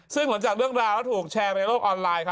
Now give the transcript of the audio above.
ซึ่งหลังจากเรื่องราวแล้วถูกแชร์ไปในโลกออนไลน์